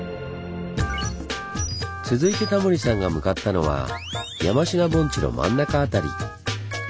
続いてタモリさんが向かったのは山科盆地の真ん中辺り。